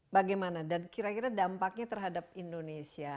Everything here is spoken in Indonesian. bagaimana dan kira kira dampaknya terhadap indonesia